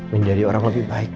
menjadi orang lebih baik